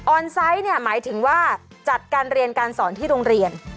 ไซต์เนี่ยหมายถึงว่าจัดการเรียนการสอนที่โรงเรียน